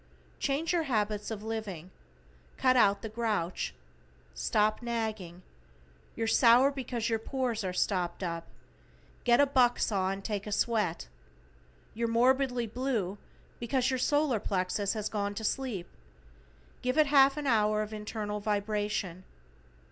Change your habits of living. Cut out the grouch. Stop nagging. You're sour because your pores are stopped up; get a buck saw and take a sweat. You're morbidly blue because your solar plexus has gone to sleep; give it half an hour of internal vibration.